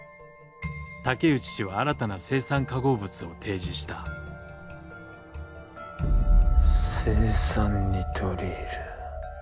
竹内氏は新たな青酸化合物を提示した「青酸ニトリール」。